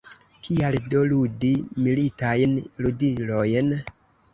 Kial do ludi militajn ludilojn?